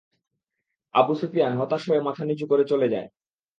আবু সুফিয়ান হতাশ হয়ে মাথা নিচু করে চলে যায়।